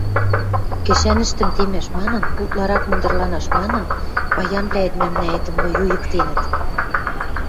Кӹшӓнӹштӹм темӓш манын, утларак мындырланаш манын, паянвлӓэт мӓмнӓэтӹм воюйыктенӹт...